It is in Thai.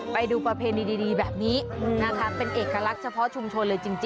ไปดูประเพณีดีแบบนี้นะคะเป็นเอกลักษณ์เฉพาะชุมชนเลยจริง